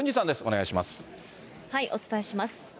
お伝えします。